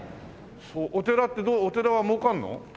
お寺ってどうお寺は儲かるの？